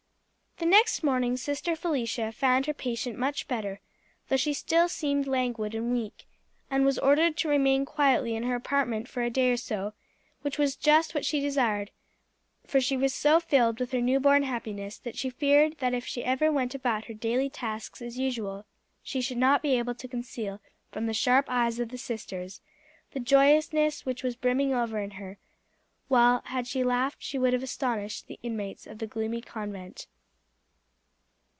The next morning Sister Felicia found her patient much better, though she still seemed languid and weak, and was ordered to remain quietly in her apartment for a day or so, which was just what she desired, for she was so filled with her new born happiness that she feared that if she went about her daily tasks as usual she should not be able to conceal from the sharp eyes of the sisters the joyousness which was brimming over in her, while had she laughed she would have astonished the inmates of the gloomy convent.